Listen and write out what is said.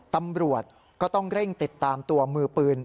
ตำรวจก็ต้องเร่งติดตามตัวมือปืน